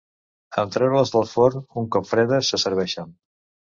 En treure-les del forn, un cop fredes se serveixen.